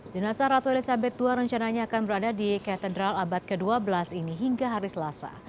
jenazah ratu elizabeth ii rencananya akan berada di katedral abad ke dua belas ini hingga hari selasa